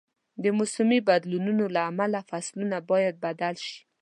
د موسمي بدلونونو له امله فصلونه باید بدل شي.